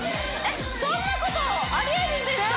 そんなことありえるんですか？